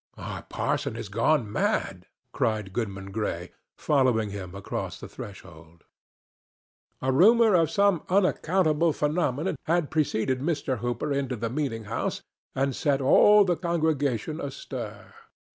"Our parson has gone mad!" cried Goodman Gray, following him across the threshold. A rumor of some unaccountable phenomenon had preceded Mr. Hooper into the meeting house and set all the congregation astir.